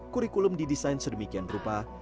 kurikulum didesain sedemikian rupa